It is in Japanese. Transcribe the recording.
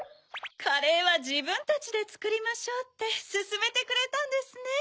カレーはじぶんたちでつくりましょうってすすめてくれたんですね。